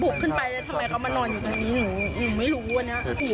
ขึ้นไปแล้วทำไมเขามานอนอยู่ทางนี้หนูไม่รู้วันนี้